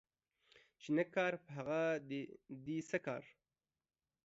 چي نه کار په هغه دي څه کار.